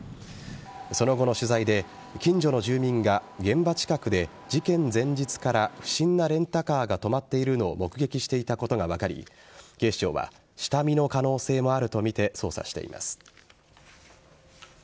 その後の取材で、近所の住民が現場近くで事件前日から不審なレンタカーが止まっているのを目撃していたことが分かり警視庁は下見の可能性もあるとみて捜査しています。